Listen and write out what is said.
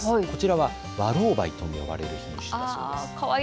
こちらは和蝋梅と呼ばれる品種です。